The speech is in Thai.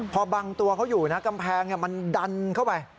พอบังตัวเขาอยู่นะกำแพงมันดันเข้าไป